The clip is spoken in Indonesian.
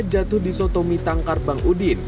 jatuh di soto mitangkar bang udin